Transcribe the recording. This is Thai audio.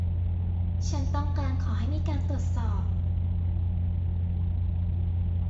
ฉันต้องการขอให้มีการตรวจสอบ